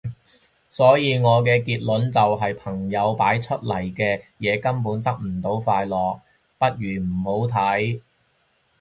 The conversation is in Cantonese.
所以我嘅結論就係睇朋友擺出嚟嘅嘢根本得唔到快樂，不如唔好睇